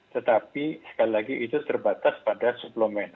tetapi sekali lagi itu terbatas pada suplemen